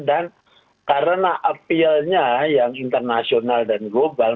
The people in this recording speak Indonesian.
dan karena appeal nya yang internasional dan global